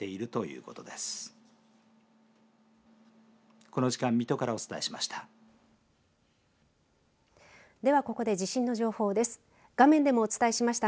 この時間水戸からお伝えしました。